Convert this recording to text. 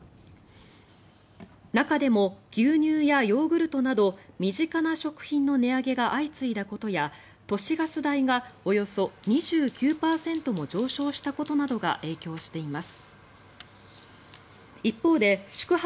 中でも、牛乳やヨーグルトなど身近な食品の値上げが相次いだことや都市ガス代がおよそ２９％も上昇したことなどが影響しています。